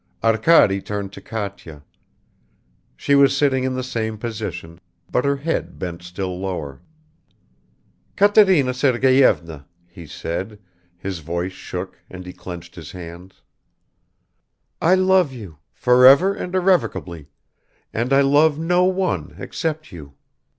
Arkady turned to Katya. She was sitting in the same position, but her head bent still lower. "Katerina Sergeyevna," he said; his voice shook and he clenched his hands; "I love you forever and irrevocably, and I love no one except you.